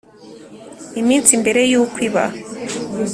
Iminsi mbere y uko iba